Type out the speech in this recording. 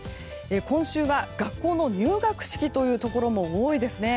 今週は学校の入学式というところも多いですね。